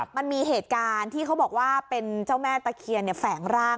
มันมีเหตุการณ์ที่เขาบอกว่าเป็นเจ้าแม่ตะเคียนแฝงร่าง